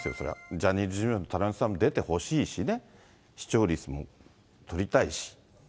ジャニーズ事務所のタレントさんも出てほしいしね、視聴率も取りたいし。